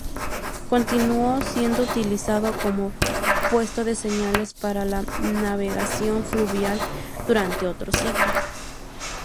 Continuó siendo utilizado como puesto de señales para la navegación fluvial durante otro siglo.